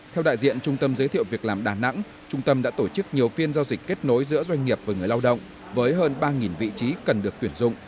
theo đại diện trung tâm giới thiệu việc làm đà nẵng trung tâm đã tổ chức nhiều phiên giao dịch kết nối giữa doanh nghiệp và người lao động với hơn ba vị trí cần được tuyển dụng